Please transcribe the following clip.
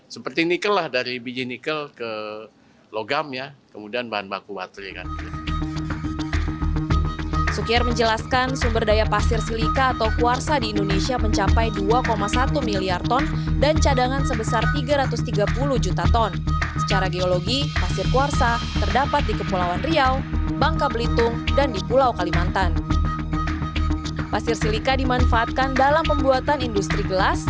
seperti nikel lah dari biji nikel ke logam ya kemudian bahan baku watri